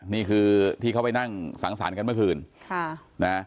นี่คือที่เขาไปนั่งสังสรรค์กันเมื่อคืนค่ะนะ